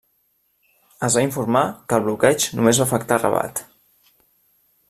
Es va informar que el bloqueig només va afectar Rabat.